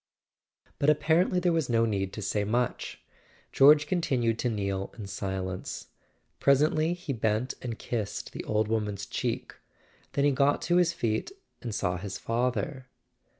But apparently there was no need to say much. George continued to kneel in silence; presently he bent [ 375 ] A SON AT THE FRONT and kissed the old woman's cheek; then he got to his feet and saw his father.